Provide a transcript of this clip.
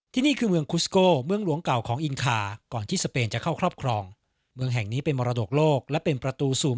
ที่นี่คือเมืองคุสโก้เมืองหลวงเก่าของอินคา